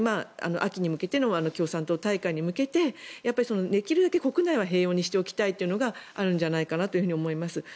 秋に向けての共産党大会に向けてできるだけ国内は平穏にしておきたいというのがあるんじゃないかと思います。